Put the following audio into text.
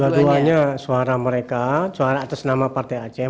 dua duanya suara mereka suara atas nama partai acm